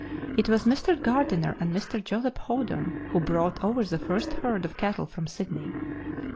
It was Mr. Gardiner and Mr. Joseph Hawdon who brought over the first herd of cattle from Sydney.